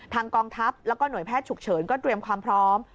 กองทัพแล้วก็หน่วยแพทย์ฉุกเฉินก็เตรียมความพร้อม